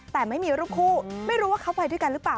แต่ไม่มีรูปคู่ไม่รู้ว่าเขาไปด้วยกันหรือเปล่า